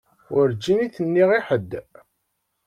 Werǧin i t-nniɣ i ḥedd.